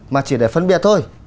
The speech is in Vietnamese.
mà chỉ để phân biệt thôi